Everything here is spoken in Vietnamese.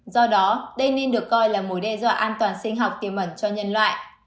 do đó đây nên được coi là mối đe dọa an toàn sinh học tiềm ẩn cho nhân loại